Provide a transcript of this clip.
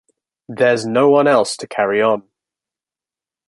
There's no one else to carry on.